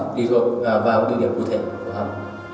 ví dụ vào địa điểm cụ thể của căn hầm